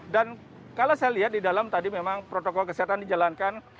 dan kalau saya lihat di dalam tadi memang protokol kesehatan dijalankan